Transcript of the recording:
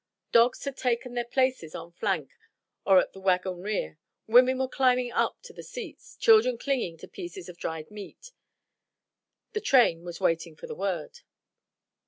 Dogs had taken their places on flank or at the wagon rear, women were climbing up to the seats, children clinging to pieces of dried meat. The train was waiting for the word.